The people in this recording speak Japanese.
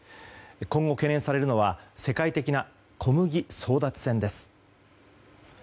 今後、懸念されるのは世界的な小麦争奪戦です。